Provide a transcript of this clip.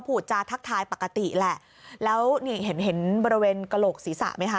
พูดจาทักทายปกติแหละแล้วนี่เห็นเห็นบริเวณกระโหลกศีรษะไหมคะ